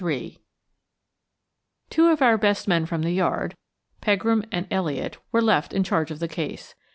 3 TWO of our best men from the Yard, Pegram and Elliott, were left in charge of the case.